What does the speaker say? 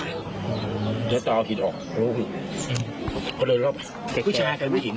เดี๋ยวต่อผิดออกรู้ผิดเขาโดยรอบแต่ผู้ชายกับผู้หญิง